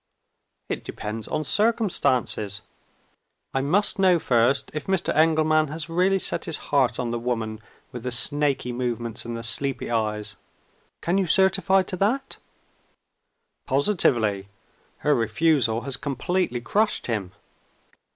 "It depends on circumstances. I must know first if Mr. Engelman has really set his heart on the woman with the snaky movements and the sleepy eyes. Can you certify to that?" "Positively. Her refusal has completely crushed him."